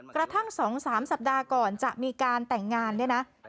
กระทั่งสองสามสัปดาห์ก่อนจะมีการแต่งงาน